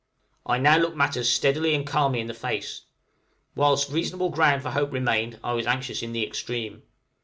I now look matters steadily and calmly in the face; whilst reasonable ground for hope remained I was anxious in the extreme.